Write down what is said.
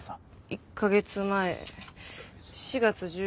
１カ月前４月１３日。